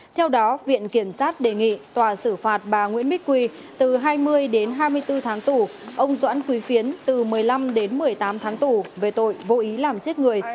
theo đó viện kiểm sát đề nghị tòa xử phạt bà nguyễn bích quy từ hai mươi đến hai mươi bốn tháng tù ông doãn quý phiến từ một mươi năm đến một mươi tám tháng tù về tội vô ý làm chết người